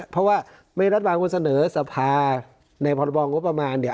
เพราะว่าไม่รัฐบาลว่าเสนอสภาในพรบองงบประมาณเนี่ย